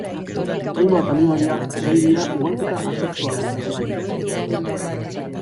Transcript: Hainbat animalia gai dira ugalketa asexuala izateko.